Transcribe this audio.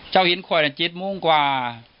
เจ้าเห็นค่อยน่ะ๗โมงกว่า